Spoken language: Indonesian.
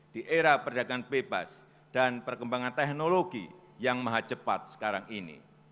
di era perdagangan bebas dan perkembangan teknologi yang maha cepat sekarang ini